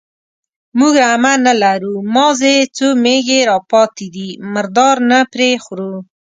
_موږ رمه نه لرو، مازې څو مېږې راپاتې دي، مردار نه پرې خورو.